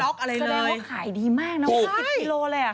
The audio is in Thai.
แสดงว่าขายดีมากนะครับ๑๐กิโลกรัมเลยหรือคะถูก